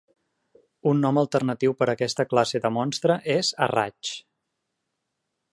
Un nom alternatiu per aquesta classe de monstres és Arrachd.